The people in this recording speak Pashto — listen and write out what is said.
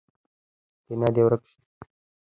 کینه دې ورک شي.